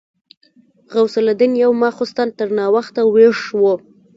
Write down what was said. غوث الدين يو ماخستن تر ناوخته ويښ و.